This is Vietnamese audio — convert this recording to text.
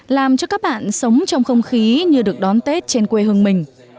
làm cho các bạn sống trong không khí như được đón tết trên quê hương mình